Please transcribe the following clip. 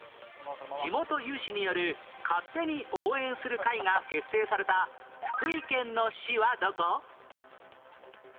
地元有志による勝手に応援する会が結成された福井県の市はどこ？